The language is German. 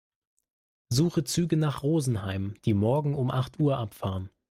Suche Züge nach Rosenheim, die morgen um acht Uhr abfahren.